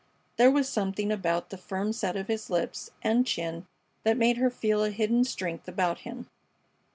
There was something about the firm set of his lips and chin that made her feel a hidden strength about him.